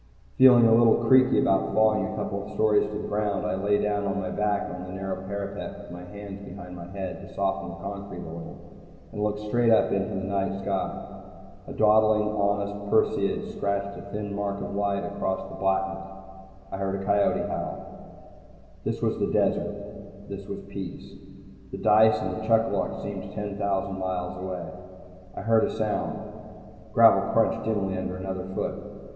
Feeling a little creaky about falling a couple stories to the ground, I lay down on my back on the narrow parapet, with my hands behind my head to soften the concrete a little, and looked straight up into the night sky. A dawdling August Perseid scratched a thin mark of light across the blackness. I heard a coyote howl. This was desert. This was peace. The dice and chuck a luck seemed ten thousand miles away. I heard a sound. Gravel crunched dimly under another foot.